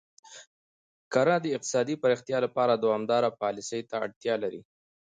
کرنه د اقتصادي پراختیا لپاره دوامداره پالیسۍ ته اړتیا لري.